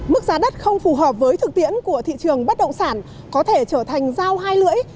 mức giá đất không phù hợp với thực tiễn của thị trường bất động sản có thể trở thành giao hai lưỡi